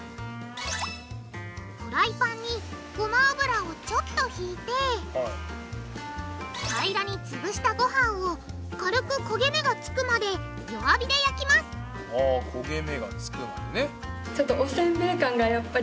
フライパンに平らにつぶしたごはんを軽く焦げ目がつくまで弱火で焼きます焦げ目がつくまでね。